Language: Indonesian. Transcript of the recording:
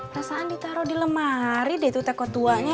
rasaan ditaro di lemari deh tuh teko tuanya